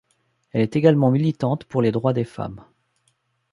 Elle est également militante pour les droits des femmes.